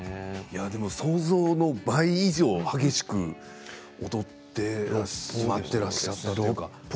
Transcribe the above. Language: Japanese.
でも、想像の倍以上激しく踊ってらっしゃったというか。